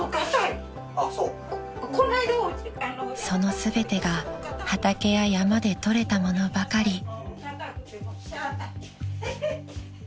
［その全てが畑や山でとれたものばかり］